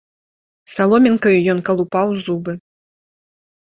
Саломінкаю ён калупаў зубы.